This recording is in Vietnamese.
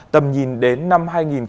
tầm nhìn đến năm hai nghìn ba mươi